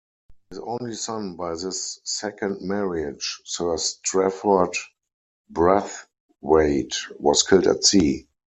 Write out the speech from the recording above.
His only son by this second marriage, Sir Strafford Brathwait, was killed at sea.